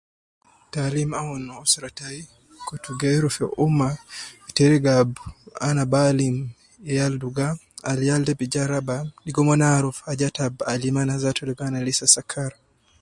Taalim aunu usra tayi kutu geeru gi ummah fi teriga ab ana bi alim yal duga Al yal de bi ja raba logo umon arfu ajat Al alimu mo ana logo ana Lisa sajar